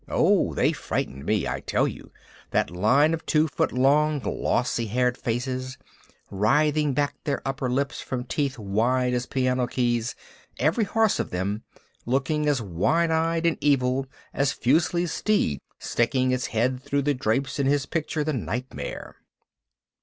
Oh, they frightened me, I tell you, that line of two foot long glossy haired faces, writhing back their upper lips from teeth wide as piano keys, every horse of them looking as wild eyed and evil as Fuseli's steed sticking its head through the drapes in his picture "The Nightmare."